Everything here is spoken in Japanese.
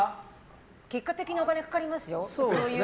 結果的にお金かかりますよ。